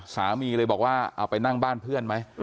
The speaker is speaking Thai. สามีเลยบอกว่าเอาไปนั่งบ้านเพื่อนไหม